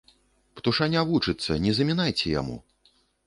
Птушаня вучыцца, не замінайце яму!